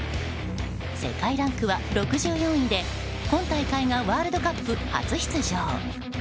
世界ランクは６４位で今大会がワールドカップ初出場。